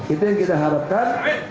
itu yang kita harapkan